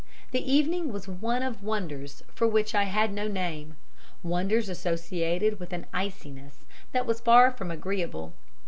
The evening was one of wonders for which I had no name wonders associated with an iciness that was far from agreeable.